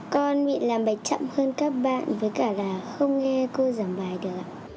con bị làm bài chậm hơn các bạn với cả là không nghe